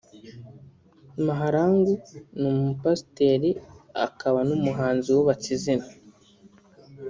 Mahlangu ni umupasiteri akaba n’umuhanzi wubatse izina